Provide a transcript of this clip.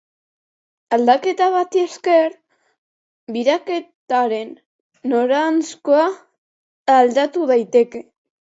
Aldaketa bati esker, biraketaren noranzkoa aldatu daiteke.